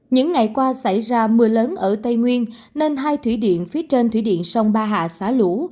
những ngày qua xảy ra mưa lớn ở tây nguyên nên hai thủy điện phía trên thủy điện sông ba hạ xả lũ